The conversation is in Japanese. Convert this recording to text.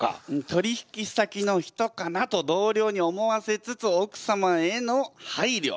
「取引先の人かな？」と同僚に思わせつつ奥様への配慮。